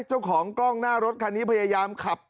เจ้าของกล้องหน้ารถคันนี้พยายามขับ